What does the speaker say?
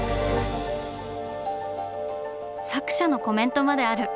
作者のコメントまである！